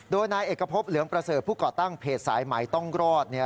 โดยนายเอกพบเหลืองประเสริฐผู้ก่อตั้งเพจสายไหมต้องรอด